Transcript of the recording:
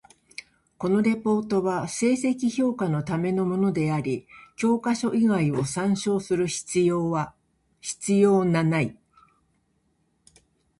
このレポートは成績評価のためのものであり、教科書以外を参照する必要なない。